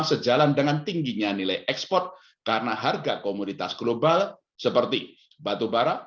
sejalan dengan tingginya nilai ekspor karena harga komoditas global seperti batubara